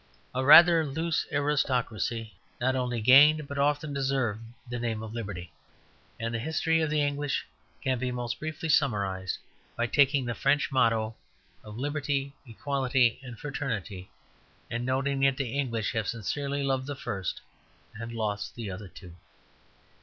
A rather loose aristocracy not only gained but often deserved the name of liberty. And the history of the English can be most briefly summarized by taking the French motto of "Liberty, Equality, and Fraternity," and noting that the English have sincerely loved the first and lost the other two.